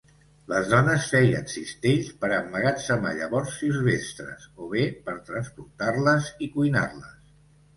Les dones feien cistelles per emmagatzemar llavors silvestres, o bé per transportar-les i cuinar-les.